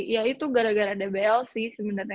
ya itu gara gara dbl sih sebenarnya